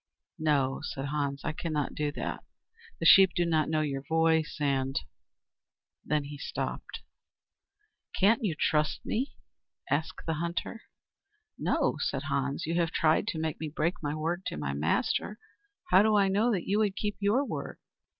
"No," said Hans, "I cannot do that. The sheep do not know your voice and " Then he stopped. "Can't you trust me?" asked the hunter. "No," said Hans. "You have tried to make me break my word to my master. How do I know that you would keep your word?"